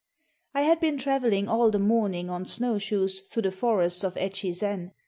I had been travelling all the morning on snow shoes through the forests of Echizen.